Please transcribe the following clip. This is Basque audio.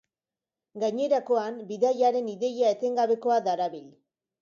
Gainerakoan, bidaiaren ideia etengabekoa darabil.